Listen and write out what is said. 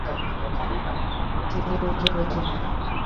তিনি উঠে বসেন।